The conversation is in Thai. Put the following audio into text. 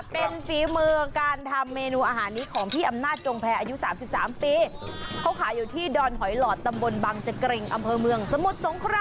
เป็นฝีมือการทำเมนูอาหารนี้ของพี่อำนาจจงแพรอายุสามสิบสามปีเขาขายอยู่ที่ดอนหอยหลอดตำบลบังเจเกร็งอำเภอเมืองสมุทรสงคราม